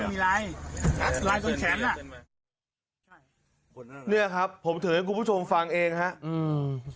มีไรร้ายต้นแฉมล่ะเนี้ยครับผมถึงให้คุณผู้ชมฟังเองฮะอืม